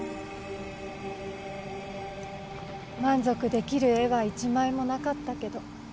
満足出来る絵は１枚もなかったけど。